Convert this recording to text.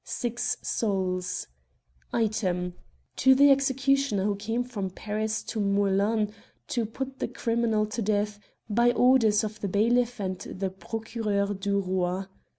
6 sols Item, To the executioner, who came from Paris to Meulan to put the criminal to death, by orders of the bailiff and the Procureur du Roi